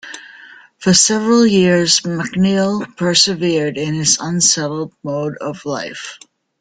For several years, Macneill persevered in his unsettled mode of life.